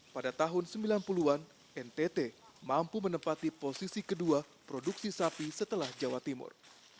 pada tahun sembilan puluh an ntt mampu menempati posisi kedua produksi sapi setelah jawa timur